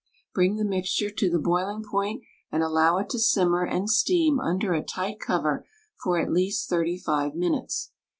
Bring the mixture to the boiling point and allow it to •simmer and steam under a tight cover for at least thirty five minutes.